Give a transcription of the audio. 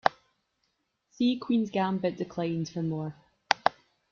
See Queen's Gambit Declined for more.